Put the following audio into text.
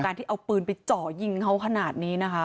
การที่เอาปืนปิดจ่อยิงเขาขนาดนี้นะคะ